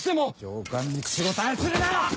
上官に口答えするな！